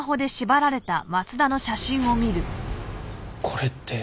これって。